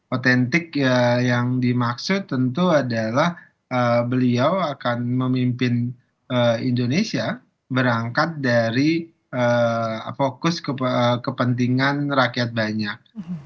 otentik yang dimaksud tentu adalah beliau akan memimpin indonesia berangkat dari fokus kepentingan rakyat banyak